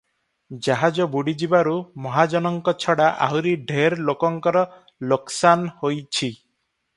ଜାହାଜ ବୁଡ଼ିଯିବାରୁ ମହାଜନଙ୍କ ଛଡ଼ା ଆହୁରି ଢେର ଲୋକଙ୍କର ଲୋକସାନ ହୋଇଛି ।